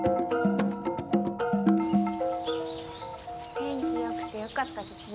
天気よくてよかったですね。